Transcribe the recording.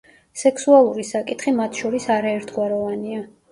სექსუალური საკითხი მათ შორის არაერთგვაროვანია.